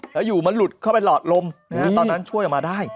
แล้วอยู่มันหลุดเข้าไปหลอดลมตอนนั้นช่วยออกมาได้